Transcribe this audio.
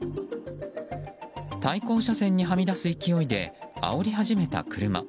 対向車線に、はみ出す勢いであおり始めた車。